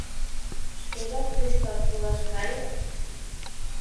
Шкежат тушкак илаш кае!